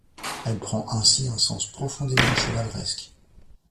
Elle prend ainsi un sens profondément chevaleresque.